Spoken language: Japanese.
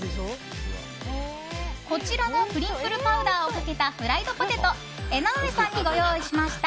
こちらのプリンクルパウダーをかけたフライドポテト江上さんにご用意しました。